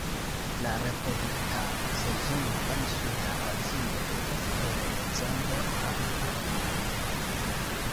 La reprodukta sezono en Suda Azio estas el decembro al aprilo.